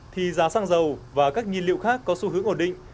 thì giá xăng dầu và các nhiên liệu khác có xu hướng ổn định